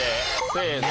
せの。